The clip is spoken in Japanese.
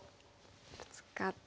ブツカって。